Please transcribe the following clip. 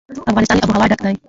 افغانستان له آب وهوا ډک دی.